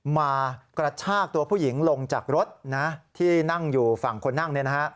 มากระชากตัวผู้หญิงลงจากรถที่นั่งอยู่ฝั่งคนนั่ง